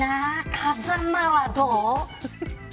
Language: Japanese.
風間は、どう。